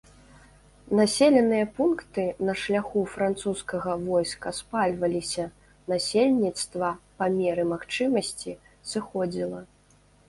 Населеныя пункты на шляху французскага войска спальваліся, насельніцтва па меры магчымасці сыходзіла.